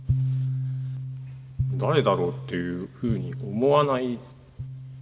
誰だろうっていうふうに思わない。